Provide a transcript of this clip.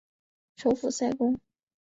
首府塞公。